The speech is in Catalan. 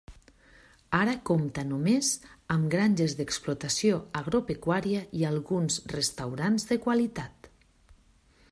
Ara compta només amb granges d'explotació agropecuària i alguns restaurants de qualitat.